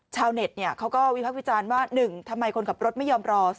ชาวเน็ตเขาก็วิพักษ์วิจารณ์ว่า๑ทำไมคนขับรถไม่ยอมรอ